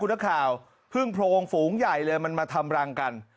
นักข่าวพึ่งโพรงฝูงใหญ่เลยมันมาทำรังกัน